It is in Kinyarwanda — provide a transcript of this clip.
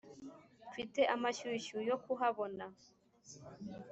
mfite amashyushyu yo kuhabona.